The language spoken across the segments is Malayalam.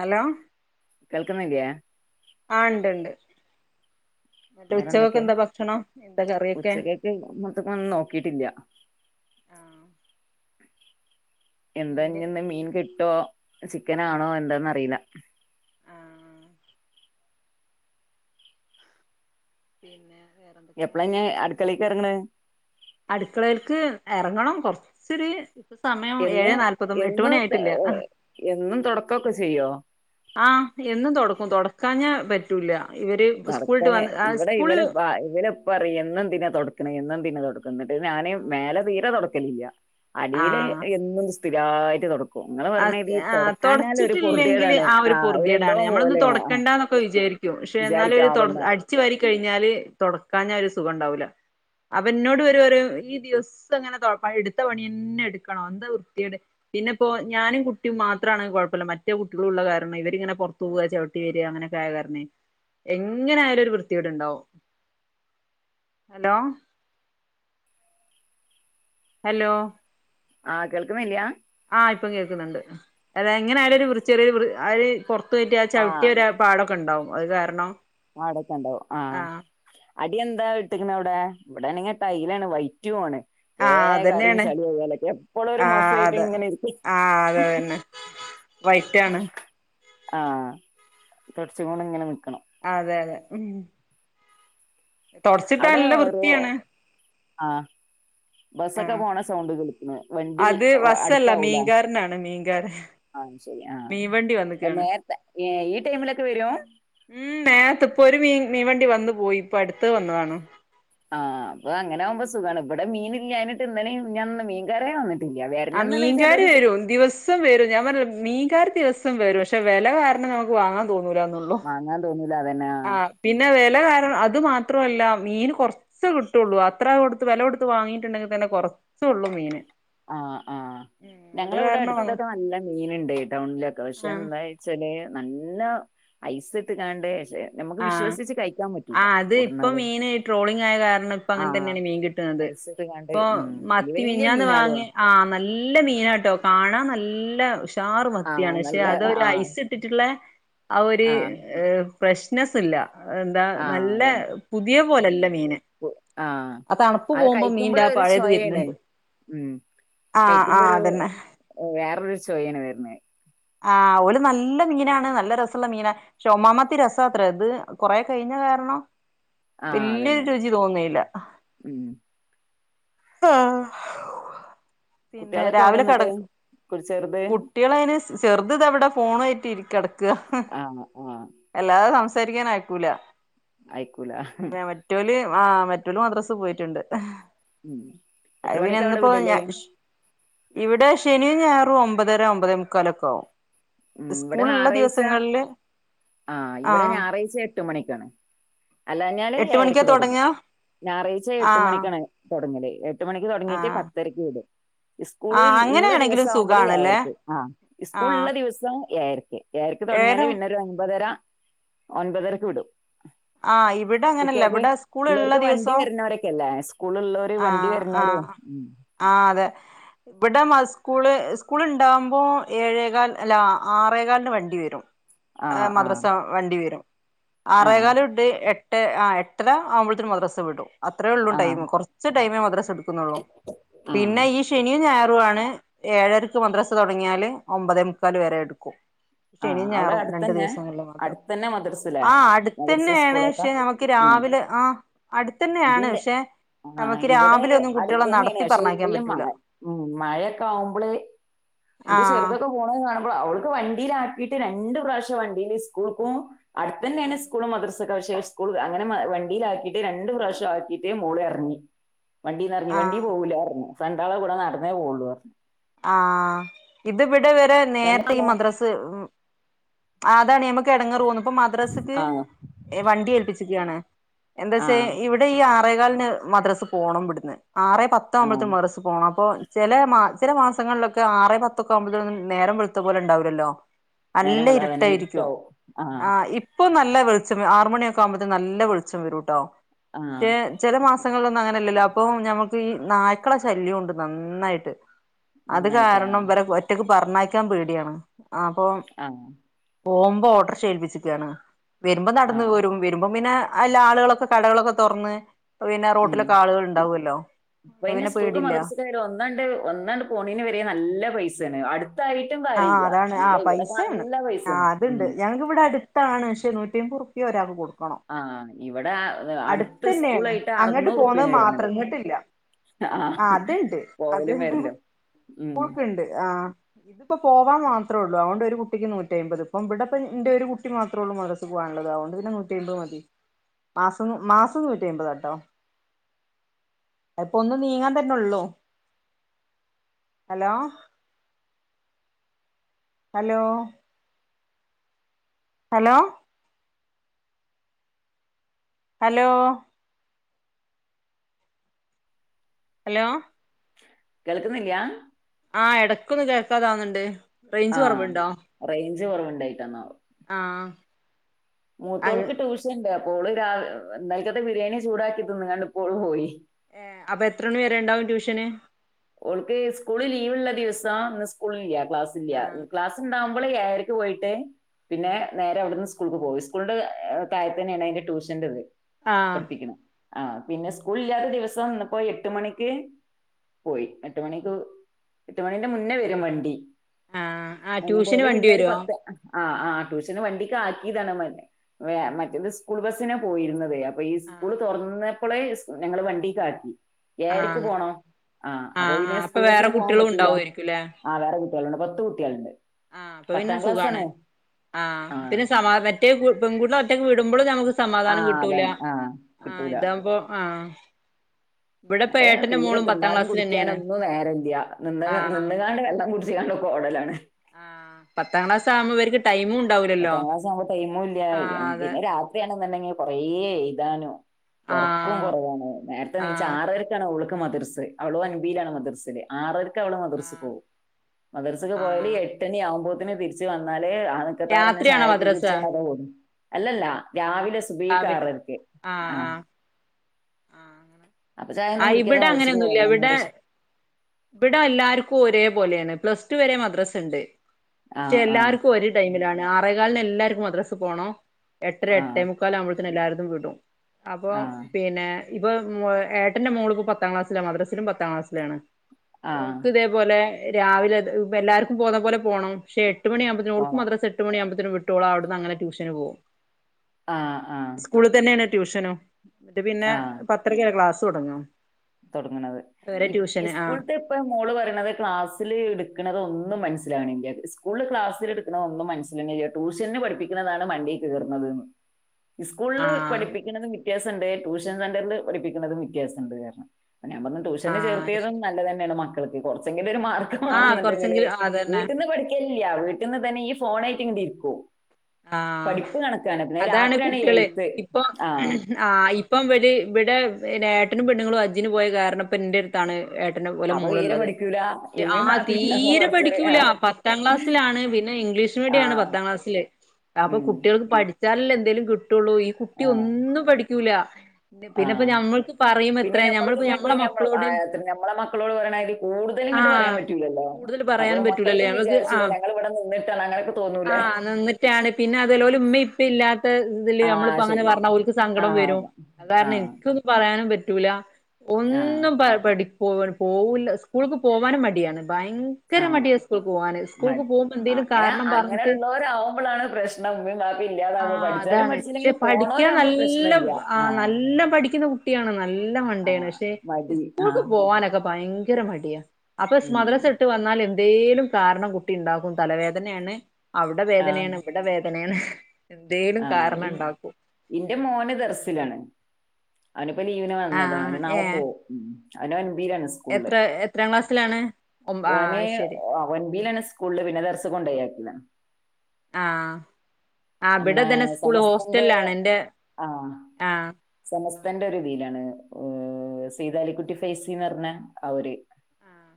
ഹലോ കേൾക്കുന്നില്യേ ആഹ് ഉണ്ട് ഉണ്ട് എന്നിട്ട് ഉച്ചയ്ക്ക് വേറെന്തൊക്കെ എന്താ ഭക്ഷണം എന്താ കറിയൊക്കെ ഏയ് നമുക്കൊക്കെ ഒന്നും നോക്കിയിട്ടില്ല ആഹ് മീന് എന്താങ്കി ഇന്ന് മീൻ കിട്ടുവോ ആഹ് ചിക്കനാണോ എന്താന്ന് അറിയില്ല ആഹ് പിന്നെ വേറെന്ത് എപ്ളാ ഇനീ അടുക്കളേക്ക് എറങ്ങണേ അടുക്കളേൽക്ക് എറങ്ങണം കൊറച്ചൊരു ഇപ്പോ സമയം ഏഴ് എന്നും നാല്പത്തൊൻപത് എട്ട് എന്നും മണി ആയിട്ടില്ല എന്നും തൊടക്കൊക്കെ ചെയ്യോ ആഹ് എന്നും തൊടക്കും തൊടക്കാഞ്ഞാ പറ്റൂല്ല ഇവര് സ്കൂളിട്ട് വന്ന് ആ സ്കൂള് ആഹ് ഇവരും പറയും എന്നും എന്തിനാ തൊടക്ക്ണേ എന്നും എന്തിനാ തൊടക്ക് എന്നിട്ട് ഞാന് മേലെ തീരെ തൊടക്കലില്ല അടിയിൽ ആഹ് എന്നും സ്ഥിരായിട്ട് തൊടക്കും ഇങ്ങൾ പറഞ്ഞേതി ആ തൊടക്കാഞ്ഞാല് ഒരു തൊടച്ചിട്ടില്ലെങ്കില് പൊറുതിയേടാണ് ആഹ് ഒര് എന്തോ പോലേണ് ആഹ് ഇപ്പം വിചാരിക്കും പക്ഷെ എന്നാലും ഒരു അടിച്ചു വാരി കഴിഞ്ഞാല് തൊടക്കാഞ്ഞാ ഒരു സുഖം ഉണ്ടാവൂല്ല അപ്പ എന്നോട് ഇവരു പറയും ഇയ്യ് ദിവസം അങ്ങനെ എടുത്ത പണി തന്നെ എടുക്കണോ എന്താ വൃത്തിയുടെ പിന്നെപ്പോ ഞാനും കുട്ടിയും മാത്രാണെങ്കി കൊഴപ്പമില്ല മറ്റേ കുട്ടികളും ഉള്ള കാരണം ഇവരിങ്ങനെ പൊറത്തു പോവാ ചവിട്ടി വരിക അങ്ങനൊക്കെ ആയ കാരണേ എങ്ങനായാലും ഒരു വൃത്തികേട്ണ്ടാവും ഹലോ ഹലോ ആഹ് കേൾക്കുന്നില്യാ ആഹ് ഇപ്പം കേക്കുന്നുണ്ട് അതെ എങ്ങനെ ആയാലും ഒരു വൃ ചെറിയൊരു വൃ പൊറത്തുപോയിട്ട് ആ ചവിട്ടി ആഹ് വര്വാ പാടൊക്കെ ഉണ്ടാവും അത് കാരണം പാടൊക്കെ ഉണ്ടാവും ആ അടി എന്താ ഇട്ടിക്കുന്ന അവിടെ ഇവിടെണെങ്കിൽ ടൈയിലാണ് വൈ റ്റു ആണ് ആ വേഗം അറിയും അതന്നെയാണ് ചളിആയാലൊക്കെ എപ്പോഴും ഒരു ആ മോസായിട്ട് അതെ ഇങ്ങനെ ഇരിക്കും ആ അതെ അതന്നെ വൈറ്റാണ് ആഹ് തൊടച്ചും കൊണ്ടിങ്ങനെ നിക്കണം അതെ അതെ ഉം തൊടച്ചിട്ടാ അവിടെ നല്ല റൂ വൃത്തിയാണ് ആ ആ ബസ്സൊക്കെ പോണ സൗണ്ട് കേൾക്കണ് വണ്ടി അത് ബസ്സല്ല അടുത്താവൂല്ലെ മീൻകാരനാണ് [unintelligible] അയ് ശരി ആ മീൻവണ്ടി വന്ന്ക്കാണ് നേരത്തെ ഈ ടൈമിലൊക്കെ വരോ ഉം നേരത്ത് ഇപ്പൊ ഒരു മീൻ മീൻ വണ്ടി വന്നു പോയി ഇപ്പൊ അടുത്തത് വന്നതാണ് ആ അപ്പ അങ്ങനാകുമ്പോൾ സുഖാണ് ഇവിടെ മീൻ ഇല്ലാഞ്ഞിട്ട് ഇന്നലേം മിനഞ്ഞാന്നും ഒന്നും മീൻകാരേ വന്നിട്ട ആ മീൻകാര് വരും ദിവസ് സം വരും ഞാൻ പറഞ്ഞില്ലേ മീൻകാർ ദിവസം വരും പക്ഷെ വെല കാരണം നമുക്ക് വാങ്ങാൻ തോന്നൂല എന്നൊള്ളൂ. വാങ്ങാൻ തോന്നൂല്ല അതന്നെ ആഹ് പിന്നെ വെല കാരണം അത് മാത്രല്ല മീൻ കുറ ച്ച് കിട്ടുള്ളൂ അത്ര കൊടുത്ത് വെല കൊടുത്ത് വാങ്ങിയിട്ടുണ്ടെങ്കിൽ തന്നെ കുറച്ചേള്ളൂ മീന് ആഹ് ആഹ് ഉം അത് ഞങ്ങളുടെ ഇവിടെ കാരണം ആ അടുത്തതൊക്കെ നല്ല മീൻ ഉണ്ട് ടൗണിലൊക്കെ പക്ഷെ എന്താ ച്ചാല് നല്ല ഐസ് ഇട്ട് കാണ്ട് ആഹ് ആ അത് ഇപ്പ കൊടുന്നാല് മീന് ട്രോളിങ് ആയ കാരണം ഇപ്പ അങ്ങനെ ആഹ് തന്നെയാണ് മീൻ കിട്ടുന്നത്. ഐസ് ഇട്ട്കാണ്ട് ഇപ്പൊ ഉം വല്യ മത്തി വല്യ മിഞ്ഞാന്ന് മീനാളു വാങ്ങിയ ആണ് ആ നല്ല മീനാട്ടോ കാണാൻ നല്ല ഉഷ് ഷാറ് ആഹ് മത്തിയാണ് പക്ഷെ നല്ല അതൊരു ആഹ് ഐസ്ഇ ട്ടിട്ടുള്ള ആ ഒരു ആഹ് ഫ്രഷ്നെസ് ഇല്ല എന്താ ആഹ് നല്ല അതെ പുതിയ പോലല്ല മീന് പു ആഹ് ആ തണുപ്പ് അത് പോകുമ്പോ മീന്റെ കഴിക്കുമ്പള് ആ ഒരു പഴയത് ചൊയേണ് വരുന്നുണ്ട് ഉം ആഹ് കഴിക്കുമ്പോ ആഹ് ഒരു അതന്നെ വേറൊരു ചൊയാണ് വരുന്നേ ആഹ് ഓല് നല്ല മീനാണ് നല്ല രസമുള്ള മീന ചൊമാമത്തി രസാഅത്രെ ഇത് കൊറേ കഴിഞ്ഞ കാരണം ആഹ് വല്യരു അതന്നെ രുചി തോന്നീല്ല ഉം പിന്നെ കുട്ടികളൊക്കെ എവിടെ രാവിലെ എന്നിട്ട് കടക്കും കു ചെറുത് കുട്ടികളെ അയ്ന് ചെറുത് ഇതതവിടെ ഫോണ് ആയിട്ട് ഇരി കെടക്കുക ആഹ് ആഹ് എല്ലാതെ സംസാരിക്കാൻ അയ്ക്കൂല ആയ്ക്കൂല മറ്റോല് ആ മറ്റൊല് മദ്രസ് പോയിട്ടുണ്ട് ഉം എത്ര അയ് പിന്നെ മണിക്കാ അവിടെ ഇന്നിപ്പോ വിടല് ഞാൻ ഇവിടെ ശനീം ഞായറും ഒമ്പതര ഒമ്പതെമുക്കാലൊക്കെ ആകും ഉം ഇവിടെ ഞായറാഴ്ച ആ ഇവിടെ ആഹ് ഞായറാഴ്ച എട്ട് മണിക്കാണ് അല്ലാഞ്ഞാല് എട്ട് മണിക്കാ ഏഴരക്ക് തൊടങ്ങും തൊടങ്ങാ ഞായറാഴച്ച എട്ട് ആഹ് മണിക്കാണ് തൊടങ്ങല് എട്ട് മണിക്ക് തൊടങ്ങിയിട്ട് ആഹ് പത്തരയ്ക്ക് വിടും ഇസ്കൂള് ആഹ് ഇള്ള അങ്ങനെയാണെങ്കിലും ദിവസം ആകുമ്പോലേ സുഖാണല്ലേ ഏഴരക്ക്‌ ആഹ് ഇസ്കൂൾ ആഹ് ഉള്ള ദിവസ് ഏഴരക്ക് ഏരക്ക് തുടങ്ങിയാല് ഏതോ പിന്നെ ഒരു ഒമ്പതര ഒൻപതരക്ക് വിടും ആഹ് ഇവിടെ അങ്ങനല്ല കുട്ടികൾക്ക് ഇവിടെ സ്കൂളുള്ള ഉള്ളർക്ക് വണ്ടി ദിവസം വരുന്നവരൊക്കെല്ലേ സ്കൂൾ ഉള്ളൂ വണ്ടി ആഹ് വരുന്നവരേ ആഹ് അതെ ഇവടെ മസ് സ്കൂള് സ്കൂള ഉണ്ടാവകുമ്പോൾ ഏഴേകാൽ അല്ല ആറേകാലിന് വണ്ടി വരും ആഹ് ആഹ് മദ്രസ വണ്ടി വരും ആഹ് ആറേകാലുട്ട് എ ട്ട് അഹ് എട്ടര ആവുമ്പ ൾത്തിന് മദ്രസ വിടും അത്രയേ ഉള്ളൂ ടൈം ആഹ് മ് കുറ ച്ച് ടൈമ മദ്രസ എടുക്കുന്നുള്ളൂ ആഹ് പിന്നെ ഈ ശനിയും ഞായറും ആണ് ഏഴരക്ക് മദ്രസ തുടങ്ങിയാല് ഒമ്പതേ മുക്കാൽ വരെ എടുക്കും ആഹ് ശനിയും അവിടെ ഞായറും രണ്ടു അടുത്തന്നെ ദിവസംങ്ങളിൽ മാത്രം അടുത്തന്നെ മദ്രസല്ലേ ആ അടുത്തന്നെ മദ്രസ ആണ് സ്കൂളൊക്കെ പക്ഷെ നമു ക്ക് ഉം രാവിലെ ആ അടുത്ത തന്നെയാണ് ഇതിന്റെ പക്ഷെ ആഹ് നമുക്ക് ഇവിടെ രാവിലെ ഒന്നും അടുത്ത കുട്ടികളെ തന്നെയാണ് നടത്തി പക്ഷെ പറഞ്ഞയക്കാൻ ഇപ്പ മഴ പറ്റൂല ഉ മഴയൊക്കെ ആവുമ്പള് ആഹ് പോണ കാണുമ്പോൾ അവൾക്ക് വണ്ടിലാക്കിട്ട് രണ്ട് പ്രാവശ്യം വണ്ടിൽ സ് സ്കൂൾ ക്കും അടുത്ത് തന്നെയാണ് സ്കൂളും മദ്രസ [inaudible] സ്കൂൾ അങ്ങനെ വണ്ടിയിലാക്കിയിട്ട് രണ്ട് പ്രാവശ്യ ആക്കിയിട്ട് മോള് ഇറങ്ങി വണ്ടീന്ന് എറങ്ങി ആ വണ്ടി പോകൂല്ലന്ന് പറഞ്ഞു ഫ്രണ്ടാളെ കൂടെ നടന്നേ പോവുള്ളു പറഞ്ഞു ആഹ് ഇതിവടെ വരെ നേരത്തെ ഈ മദ്രസ അതാണ് നമ്മക്ക് എടങ്ങാറ് തോന്നു ഇപ്പൊ മദ്രസ്ക്ക് ആഹ് ഏഹ് വണ്ടി ഏൽപ്പിച്ചിക്കാണ് എന്താച്ച ആഹ് ഇവടെ ഇടെ ഈ ആറേകാലിന് മദ്രസ് പോണം ഇവടന്ന് ആറേ ആഹ് പത്താവുമ്പഴത്തും മദ്രസ്പോണം അപ്പോ ചെലെ ചില മാസങ്ങളിലൊക്കെ ആറേ പത്തൊക്കെ ആകുമ്പോതൊ നേരം വെളത്ത പോലെ ഉണ്ടാവില്ലല്ലോ നല്ല നേരം വെളുകാതെ തന്നെ ഇരുട്ടായിരിക്കും ഇരുട്ടാവും ആഹ് ഇപ് ഇപ്പൊ നല്ല വെളിച്ചം ആറുമണിയൊക്കെ ആവുമ്പോത്തിന്ന്നല്ല വെളിച്ചം വരുംട്ടോ ആഹ് പക്ഷേ ചില മാസങ്ങളിലൊന്നും അങ്ങനെല്ലല്ലോ അപ്പോൾ ഞമൾക്ക് ഈ നായ്ക്കള ശല്യണ്ട് നന്നായിട്ട് അത് നന്നായിട്ട് കാരണം ആഹ് ഇവരെ ഒറ്റക്ക് പറഞ്ഞക്കാൻ പേടിയാണ് അപ്പൊ ആ പോവുമ്പോ ഓട്ടോറിക്ഷ ഏൽപ്പിച്ചക്കയാണ് വരുമ്പോം ആ നടന്ന് വരും വരുമ്പോം പിന്നെ അല്ല ആളുകളൊക്കെ കടകളൊക്കെ തുറന്ന് പിന്നെ ഉ റോട്ടിലൊക്കെ ആളുകൾ ഉണ്ടാവുമല്ലോ ഇപ്പ അപ്പൊ ഇെ പിന്നെ സ്കൂൾക്ക് പേടില്ല മദർസിക്കാര് ഒന്നാണ്ട് ഒന്നാണ്ട് പോണേന് വരെ നല്ല പൈസയാണ് അടുത്തായി - ആ അതാണ് ആ പൈസയാണ് ആ പൈസയാണ് അത്ണ്ട് ഉം ഞങ്ങക്ക് ഇവിടെ അടുത്താണ് പക്ഷെ നൂറ്റിമ്പത് റു പ്യ ഒരാൾക്ക് കൊടുക്കണം ആ ഇവിടെ അടുത്ത അടുത്ത് തന്നെയാണ് സ്കൂളായിട്ട് അങ്ങോട്ട് അറുന്നൂറ് പോന്നത് ഉറുപ്പ്യാണ് വരുന്നത് മാത്രം ഇങ്ങോട്ടില്ല ആ അത്ണ്ട് അത് പോകലും വരലും ഉം ഗൂഗിൾ പേ ണ്ട് ആഹ് ഇതിപ്പോ പോവാൻ മാത്രേ ഉള്ളൂ അതുകൊണ്ട് ഒരു കുട്ടിക്ക് നൂറ്റി അയമ്പത് ഇപ്പം ഇവിടെപ്പ ഇന്റെറെ ഒരു കുട്ടി മാത്രേ ഉള്ളൂ മദ്ദ്രസ ക്ക് പോവാനുള്ളത് അതുകൊണ്ട് പിന്നെ നൂറ്റിമ്പത് മതി മാസം മാസം നൂറ്റിമ്പത്ട്ടോ അപ്പൊ ഒന്ന് നീങ്ങാൻ തന്നെയുള്ളു hello hello hello hello hello കേൾക്കുന്നില്ല ആഹ് എടക്കൊന്ന് കേൾക്കാതാവുന്നുണ്ട് റേഞ്ച് ആഹ് കൊറവുണ്ടോ റേഞ്ച് കുറവുണ്ടായിട്ടന്നാവോ ആഹ് മൂത്തോൾക്ക് ട്യൂഷൻ ഉണ്ട് അപ്പോള് രാ ഇന്നലെയക്കത്തെ ബിരിയാണി ചൂടാക്കി തിന്ന് കണ്ട് ഇപ്പോള് പോയി ഏഹ് അപ്പൊ എത്ര മണി വരെ ഉണ്ടാവും ട്യൂഷന് ഓള്ക്ക് സ്കൂള് ലീവ്ള്ള ദിവസം ഇന്ന് സ്കൂളില്ല ക്ലാസ് ഇല്ല ആ ക്ലാസ്ണ്ടാവുമ്പോള് ഏഴര ക്ക്‌ പോയിട്ടേ പിന്നെ നേരെ അവിടുന്ന് സ്കൂൾക്ക് പോവും. ഇസ്കൂളിന്റെ തായെ തന്നെയാണ് അതിന്റെ ട്യൂഷന്റെത് ആ പഠിപ്പിക്കണ്. ആഹ്. പിന്നെ സ്കൂൾ ഇല്ലാത്ത ദിവസം ഇന്നിപ്പോ എട്ട് മണിക്ക് പോയി. എട്ട് മണിക്ക് എട്ട് മണിന്റെ മുന്നേ വരും വണ്ടി ആ ആ അയിനേ ട്യൂഷന് പോലെ വണ്ടി പിന്നെ ഒരു വരുവോ പത്ത് ആഹ്. ആഹ് ട്യൂഷന് വണ്ടിക്ക് ആക്കിതാണ് മറ്റ്. മറ്റേത് സ്കൂൾ ബസ്സിനാ പോയിരുന്നതേ ഇപ്പോ ഈ ആ സ്കൂള് തൊറന്നേപ്പളെ ഇസ് ഞങ്ങള് വണ്ടികാക്കി. ആ ഏഴരക്ക്‌ പോണം ആഹ് ആ അപ്പോ ആ പിന്നെ അപ്പൊ സ്കൂൾ വേറെ ബസ്സിന് പോവാൻ കുട്ടികളും പറ്റൂല്ല. ഉണ്ടാവുമായിരിക്കുംല്ലേ ആഹ് വേറെ കുട്ടികളുണ്ട് പത്ത് കുട്ട്യാളുണ്ട്. ആഹ്, അപ്പ പിന്നെ സുഖാണ്. ആഹ് പിന്നെ സമാ മറ്റേ പെൺകൂട്ട്ളേ ഒറ്റക്ക് വിടുമ്പോഴും നമക്ക് സമാധാനം ആഹ് കിട്ടൂല. അതാണ് ആഹ് ആഹ് കിട്ടൂല ഇതാവുമ്പോ ആഹ് അത് തീരെ തിന്നാനും തന്നെയാണ് കുടിക്കാനൊന്നും നേരല്യാ. നിന്ന് ആ നിന്നുങ്ങാണ്ട് വെള്ളം കുടി ച്ച് അങ്ങ്ട് ഓടലാണ് ആഹ് പത്താം ക്ലാസ് ആവുമ്പോ ഇവർക്ക് ടൈമുണ്ടാവൂല പത്താം ക്ലാസ് ആവുമ്പ ടൈമുല്ല. പിന്നെ പിന്നെ രാത് ത്രി ആണെന്നുണ്ടെങ്കി കൊറേ എയ്താനും. ഒർ ക്കും ആഹ് കൊറവാണ് നേരത്തെ നീച്ച ആഹ് ആറരക്കാണ് ഔൾക്ക് മദ്രസേ അവളും ഒൻപിയിലാണ് മദ്രസേൽ ആറര ക്ക്‌ ഓള് മദ്രസ്സ്ക്ക് ആഹ് പോകും. മദ്രസക്ക് പോയാല് ആഹ് എട്ടണി ആവുമ്പോത്തേന് തിരിച്ച് വന്നാല്, ആ [unintelligible] ലന്നേ രാത്രിയാണോ ചായക്കെ മദ്രസ കുടിച്ച് [unintelligible] അല്ലല്ല രാവിലെ രാവിലെ സുബഹിക്കാറരക്ക്. ആഹ് ആഹ് അപ്പൊ ചായ ഒന്നും ആഹ് കുടിക്കാതെ ഇബിടെ മദ്രസക്ക് അങ്ങനെയൊന്നുല്ല. പോകണം ഇവിടെ മമ്മീന്റെ ഇഷ് ഇവിടെ എല്ലാവർക്കും ഒരേ പോലെയാണ്. പ്ലസ് ടു വരെ മദ്രസണ്ട് പക്ഷേ ആഹ് ആഹ് എല്ലാർക്കും ഒരു ടൈമിലാണ്. ആറേകാല് ന് എല്ലാർക്കും മദ്രസ് പോണം എട്ടര എട്ടേ ആഹ് മുക്ക് ക്കാലാവുമ്പോഴത്തിന് എല്ലാര്തും വിടും അപ്പോ ആഹ് പിന്നെ ഇപ്പോ വ് ഏട്ടന്റെ മോൾ ഇപ്പോ പത്താം ക്ലാസിലാണ്. മദ്രസിലും പത്താം ക്ലാസ്സിലാണ്. ആഹ് ഓൾക്ക് ഇതേ ഇതുപോലെ രാവിലെ ഇത് ഇതെല്ലാർക്കും പോകുന്നപോലെ പോണം. പക്ഷേ എട്ട് മണിയാകുമ്പോത്തനും ഓൾക്ക് പോണം മദ്രസ്സ എട്ട് എട്ട് മണിയാമ്പത്തിനും വിട്ടോള് അവിടുന്ന് അങ്ങന ട്യൂഷന് പോവും. ആഹ് ആഹ് സ്കൂളിൽ തന്നെയാണ് ട്യൂഷനും. ഇന്നിട്ട് പിന്നെ പത്തരയ്ക്കാ ക്ലാസ് തൊടങ്ങാ തൊടങ്ങണന്നത്. ഈ ഇസ്കൂൾത്തെ ഇപ്പ മോള് പറയണത് ക്ലാസ്സില് ഇടുക്കണത് ഒന്നും മനസിലാവണില്ലാ. ഇസ്കൂള്ല് ക്ലാസില് പിന്ന ഒന്നും മനസിലാവ്ണില്ല. ട്യൂഷൻന് പഠപ്പിക്കുന്നതാണ് മണ്ടയിൽ കേറുന്നത് ന്ന്. [inaudible] ഇസ്കൂളില് ആഹ് പഠിപ്പിക്കണതും വിത്യാസണ്ട്. ട്യൂഷൻ സെന്ററില് പഠിപ്പിക്കണതും വിത്യാസണ്ട് പറഞ്ഞു. അപ്പ ഞാൻ പറഞ്ഞു, ട്യൂഷൻന് ആഹ് അത് ചേർത്തിയതും ശരി നല്ലതന്നെയാണ് മക്കൾക്ക്. കൊർച്ചെങ്കിലും ഒരു മാർ ആഹ് കാണുന്നുണ്ടെങ്കില് കൊറച്ചെങ്കിലും അതന്നെ വീട്ടിന്ന് പഠിക്കിലില്ല. വീട്ടിന്ന് ഇതന്നെ ഈ ഫോണായിട്ട് ഇങ്ങനെ ഇരിക്കൂ ആഹ് അതാണ് കുട്ട്യള്. എഴുത്ത് ഇപ്പോ ആ ആഹ്. ഇപ്പം ഇവര് ഇവിടെ പിന്നെ ഏട്ടനും പെണ്ണുങ്ങളും ഹജ്ജിന് പോയ കാരണം ഇപ്പ ന്റെ ടുത്താണ് ഏട്ടന്റെ ഓലെ അപ്പൊ തീരെ മോളുള്ളത്. പഠിക്കൂല ഇമ്മയും ആഹ് മാപ്പിയും ഉണ്ടാകുമ്പോ തീരെ കുറച്ചൊരു പഠിക്കൂല. ആ പ പത്താംക്ലാസ്സിലാണ്. പിന്നെ ഇംഗ്ലീഷ് ആ മീഡിയാണ് പത്താം ക്ലാസ്സില്. അപ്പോ ഉം കുട്ടികൾക്ക് പഠിച്ചാലല്ലേ എന്തേലും കിട്ടുള്ളൂ. ഈ കുട്ടി ഒന്നും പഠിക്കൂല്ല. ആഹ്. പിന്നെ ഞമ്മള് ഞമ്മളിപ്പോ ഞമ്മളെ [unintelligible] ഞമ്മള് മക്കളോട് ഏഹ് ഞമ്മളെ മക്കളോട് പറയണ മാതിരി കൂടുതല് ഇങ്ങട്ട് പറയാൻ ആഹ് പറ്റൂല്ലല്ലോ. കൂടുതൽ അപ്പോ പറയാനും പറ്റൂലല്ലേ മക്കൾക്കും ഞമ്മക്ക് വിചാരിച്ചൂടേ ആഹ് ഞങ്ങൾ ഇവടെ നിന്നിട്ടാണ് തോന്നൂലേ ആഹ് നിന്നിട്ടാണ്. പിന്നെ അതല്ലോല ഇമ്മിം ഇപ്പ ഇല്ലാ ത്ത ഇതില് ആ നമ്മളിപ്പോ അങ്ങനെ ശരിയാണ് പറഞ്ഞാ ഓരുക്ക് ആ സങ്കടം വരും. അതെ. അത് ആ കാരണം എനിക്കൊന്നും പറയാനും പറ്റൂല്ല. ആ ഒന്നും പ പഠിക്കു, പോ പോവൂല്ല. സ്കൂൾക്ക് പോവാനും മടിയാണ് ഭയങ്ക ആ ഭയങ്കര മടിയ സ്കൂളുക്ക്‌ പോകാന് സ്കൂൾക്ക് പോകുമ്പോ എന്തെങ്കിലും കാരണം പറഞ്ഞിട്ട് അവരാകുമ്പോളാണ് പ്ര ആഹ് അതാണ് പക്ഷേ പഠിക്കാൻ പോണവരാകുമ്പോ നല്ല പ്രശ്നമില്ല ആ നല്ല പഠിക്കുന്ന കു ട്ടിയാണ് നല്ല ആ മണ്ടയാണ് പക്ഷേ മടി ആ സ്കൂൾക്ക് പോവാനൊക്കെ ഭയങ്കര മടിയാ അപ്പോ ഉം. മദ്രസ വിട്ട് വന്നാൽ എന്തേലും കാരണം കുട്ടി ഉണ്ടാക്കും തലവേദനയാണ് അവിടെ ആ വേദനയാണ് ഇവിടെ വേദനയാണ് എന്തേലും ആഹ് കാരണം എ ഉണ്ടാക്കും എന്റെ മോന് ദെർസിലാണ് അവനിപ്പോ ലീവിന് വന്നതാ ആഹ് അവന് നാളെ ഏഹ് പോകും ഉം ഓന് [unintelligible] എത്ര എത്രാം എത്രാം ക്ലാസ്സിലാണ് ഒമ്പ ആ അയ് ശരി ഒൻമ്പയിലണ് സ്കൂളില് പിന്നെ മദ്രസയിൽ കൊണ്ടോയി ആക്കിയതാ ആഹ് അവിടെ നമ്മളെ ഇത് തന്നെ സ്കൂള് സമസ്തന്റെ ഹോസ്റ്റലിൽ ആണ് എന്റെ ആ ആഹ് സമസ്തന്റെ ഒരു ഇതിയിലാണ് സീതാലിക്കുട്ടി ഫൈസീന്ന് പറഞ്ഞ അവര് ആഹ്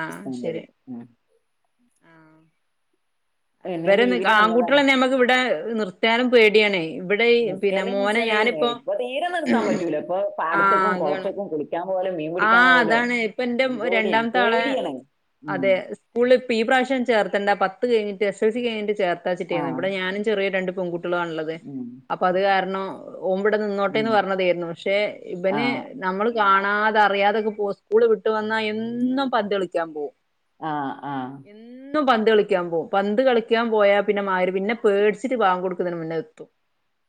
ആഹ് ഉസ്താദ് ശരി ആഹ് ആഹ് അത് തന്നേ പിന്നെ ഇബരെ ലീവിന് വന്നതാണ് ആൺകുട്ടികൾ തന്നെ നമ്മക്ക് ഇവിടെ നിർത്താനും പേടിയാണേ ഇവിടെ ഈ പിന്നെ നിർത്തിയാലെന്ന് മോനെ വെച്ചാല് ഞാനിപ്പോ ഇപ്പൊ തീരെ നിർത്താൻ പറ്റൂല ഇപ്പൊ ആഹ് പാടത്തേക്കും അതാണ് കുളത്തേക്കും കുളിക്കാൻ പോകല് മെയിൻ ആഹ് അതാണ് ഇപ്പോ എന്റെ രണ്ടാമത്തെ ആളെ പേടിയാണ് ഉം അതെ സ്കൂള് ഇപ്പോ ഈ പ്രാവിശ്യം ചേർത്തണ്ട പത്ത് കഴിഞ്ഞ് എസ് എൽ സി കഴിഞ്ഞ് ചേർക്കാൻ ആ വിചാരിച്ചിട്ടായിരുന്നു ഇവിടെ ഞാനും ചെറിയ രണ്ട് പെൺകു ട്ടികളുമാണ് ഉള്ളത് ഉം അപ്പോ അത് കാരണം ഓൻ ഇബടെ ഉം നിന്നോട്ടേന്ന് പറഞ്ഞതായിരുന്നു പക്ഷേ ഇവന് ആഹ് നമ്മള് കാണാ തെ അറിയാതൊക്കെ പോവും സ്കൂള് വിട്ട് വന്നാ എന്നും പന്ത് കളിക്കാൻ പോവും ആഹ് ആഹ് എന്നും പന്ത് കളിക്കാൻ പോവും പന്ത് കളിക്കാൻ പോയാൽ പിന്നെ മാര് പിന്നെ പേടിച്ചിട്ട് ബാങ്ക് കൊടുക്കുന്നതിന് മുന്നേ എ [inaudible]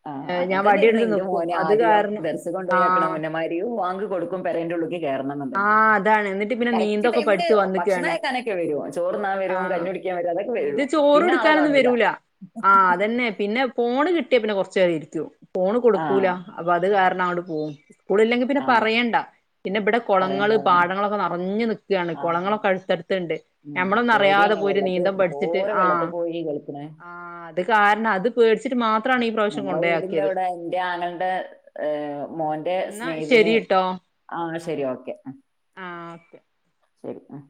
ആഹ് അങ്ങനെ തന്നെയായിയിരുന്നു എന്റെ മോനും ആദ്യം കാരണം ദർസയിൽ കൊണ്ട്‌ പോയി ആക്കണെ ആഹ് മുന്നെ മാ ബാങ്ക് കൊടുക്കും പെരേന്റെ ഉള്ളിക്ക് കേറണോന്നുണ്ടെങ്കില് ആഹ് അതാണ് എന്നിട്ട് പിന്നെ കറക്റ്റ് നീന്തൊക്കെ ടൈമിന് പഠിച്ച് ഭക്ഷണം വന്നിക്കാണ് കഴിക്കാനൊക്കെ വരും ചോറുണ്ണാൻ വരും ആഹ് കഞ്ഞി കുടി ക്കാൻ വരും അതൊക്കെ ഇത് വരും ചോറ് പിന്നെ ആളെ എടുക്കാനൊന്നും കാണൂല്ല വരൂല ആഹ് അതന്നെ പിന്നെ ഫോണ് കിട്ടിയ പിന്നെ കൊറച്ച് നേരം ഇരിക്കും ഫോണ് കൊടുക്കൂല്ല ആഹ് അപ്പോ അത് കാരണം അങ്ങോട്ട് പോകും സ്കൂള് ഇല്ലെങ്കിൽ പിന്നെ ആഹ് പറയണ്ട പിന്നെ ഇവിടെ പറയണ്ട കുളങ്ങള് പാടങ്ങളൊക്കെ നറഞ്ഞു നിക്കയാണ് ആഹ് കുളങ്ങളൊക്കെ അടുത്തടുത്തുണ്ട് ഞമ്മളൊന്നും അറിയാതെ പോയി ഒരു നീന്തം പഠി ഓര് വെള്ളത്തിൽ പോയി കളിക്കണെ ആഹ് അത് കാരണം അത് പേടിച്ചിട്ട് മാത്രവാണ് ഈ പ്രാവശ്യം ഞങ്ങളെ വീടിന്റെ കൊണ്ടെയാക്കിയത് അവിടെ എന്റെ ആങ്ങൾടെ ഏഹ് മോന്റെ എന്നാ ശരി സ്നേഹിതന് ട്ടോ ആഹ് അന്നാ ശരി ഓക്കെ ആഹ് ഓക്കേ ശരി ആഹ്